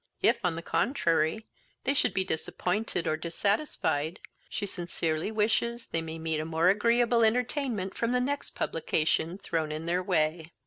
If, on the contrary, they should be disappointed, or dissatisfied, she sincerely wishes they may meet a more agreeable entertainment from the next publication thrown in their way.